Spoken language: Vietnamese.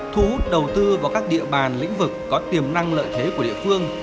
thu hút đầu tư vào các địa bàn lĩnh vực có tiềm năng lợi thế của địa phương